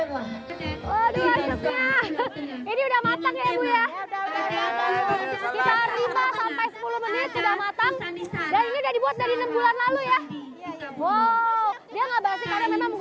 waduh asiknya ini udah matang ya bu